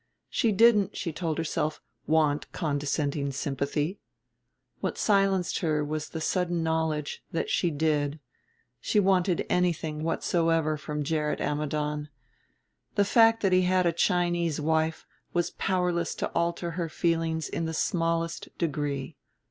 She didn't, she told herself, want condescending sympathy. What silenced her was the sudden knowledge that she did; she wanted anything whatsoever from Gerrit Ammidon. The fact that he had a Chinese wife was powerless to alter her feeling in the smallest degree.